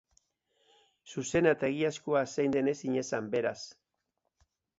Zuzena eta egiazkoa zein den ezin esan, beraz.